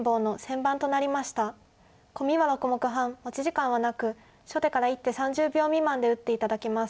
コミは６目半持ち時間はなく初手から１手３０秒未満で打って頂きます。